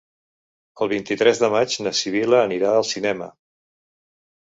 El vint-i-tres de maig na Sibil·la anirà al cinema.